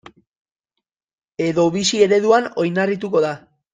Edo bizi ereduan oinarrituko da.